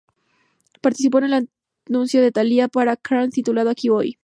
Participó en el anuncio de Thalía para Kmart titulado "Aquí, hoy.